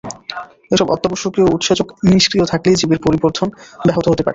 এসব অত্যাবশ্যকীয় উৎসেচক নিষ্ক্রিয় থাকলে জীবের পরিবর্ধন ব্যাহত হতে পারে।